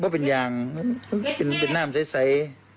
ก็เป็นอย่างเป็นหน้ามันใส